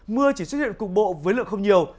mưa chỉ xuất hiện cục bộ với lượng không nhiều